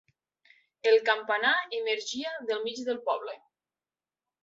El campanar emergia del mig del poble.